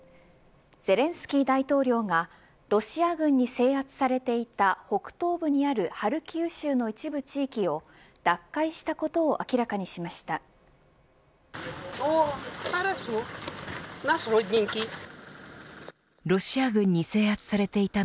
ゼレンスキー大統領がロシア軍に制圧されていた北東部にあるハルキウ州の一部地域を奪回したことを明らかにしました。